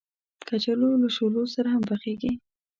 کچالو له شولو سره هم پخېږي